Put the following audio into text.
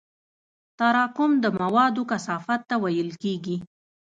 تراکم د موادو کثافت ته ویل کېږي.